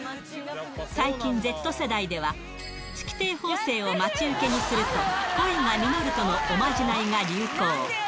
最近、Ｚ世代では、月亭方正を待ち受けにすると、恋が実るとのおまじないが流行。